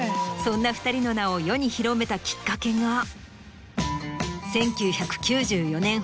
そんな２人の名を世に広めたきっかけが。